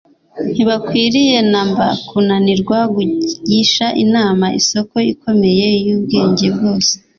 ntibakwiriye na mba kunanirwa kugisha inama isoko ikomeye y'ubwenge bwose